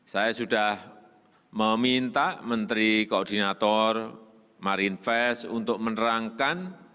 saya sudah meminta menteri koordinator marine fest untuk menerangkan